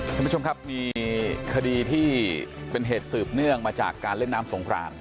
ท่านผู้ชมครับมีคดีที่เป็นเหตุสืบเนื่องมาจากการเล่นน้ำสงคราน